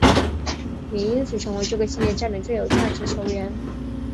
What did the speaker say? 也因此成为这个系列战的最有价值球员。